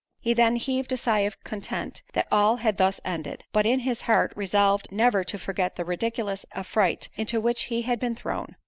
He then heaved a sigh of content that all had thus ended; but in his heart resolved never to forget the ridiculous affright into which he had been thrown.